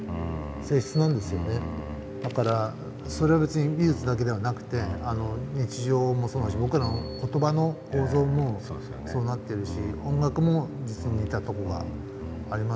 だからそれは別に美術だけではなくて日常もそうだし僕らの言葉の構造もそうなってるし音楽も実に似たとこがありますよね。